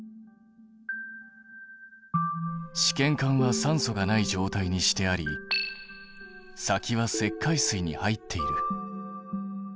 試験管は酸素がない状態にしてあり先は石灰水に入っている。